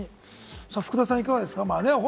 福田さん、いかがですか？